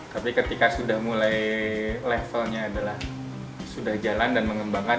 tapi ketika sudah mulai levelnya adalah sudah jalan dan mengembangkan